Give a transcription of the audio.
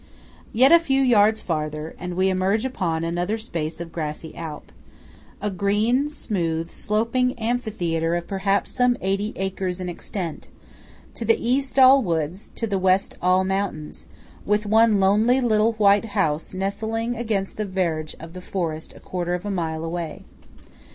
Yet a few yards farther, and we emerge upon another space of grassy Alp–a green, smooth, sloping amphitheatre of perhaps some eighty acres in extent–to the East all woods; to the West all mountains; with one lonely little white house nestling against the verge of the forest about a quarter of a mile away.